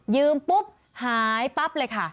ปุ๊บหายปั๊บเลยค่ะ